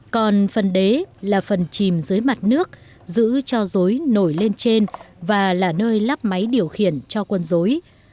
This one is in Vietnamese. còn phần đế là phần chìm dưới mặt nước giữ cho dối nổi lên trên và là nơi lắp máy điều khiển cho quân dối